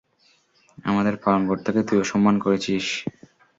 আমাদের পালনকর্তাকে তুই অসম্মান করেছিস!